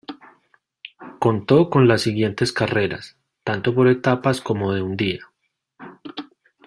Contó con las siguientes carreras, tanto por etapas como de un día.